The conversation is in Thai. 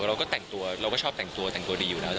เราก็แต่งตัวเราก็ชอบแต่งตัวแต่งตัวดีอยู่แล้ว